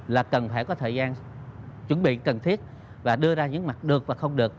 là cần phải có thời gian chuẩn bị cần thiết và đưa ra những mặt được và không được